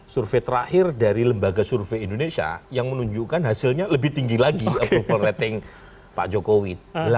survei terakhir dari lembaga survei indonesia yang menunjukkan hasilnya lebih tinggi lagi approval rating pak jokowi